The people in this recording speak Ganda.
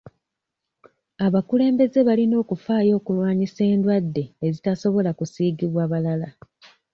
Abakulembeze balina okufaayo okulwanyisa endwadde ezitasobola kusiigibwa balala.